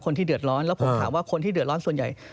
คนที่เดือดร้อนแล้วผมถามว่าคนที่เดือดร้อนส่วนใหญ่